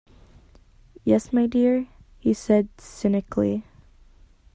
Yes my dear, he said cynically.